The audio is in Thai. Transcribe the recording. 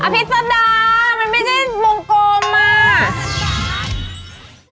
อภิษฎามันไม่ใช่มงโกมมาก